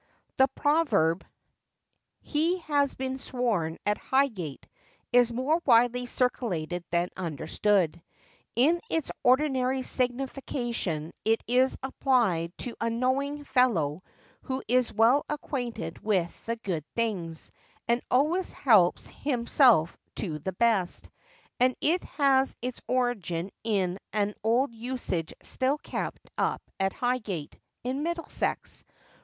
[THE proverb, 'He has been sworn at Highgate,' is more widely circulated than understood. In its ordinary signification it is applied to a 'knowing' fellow who is well acquainted with the 'good things,' and always helps himself to the best; and it has its origin in an old usage still kept up at Highgate, in Middlesex.